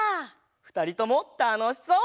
ふたりともたのしそう！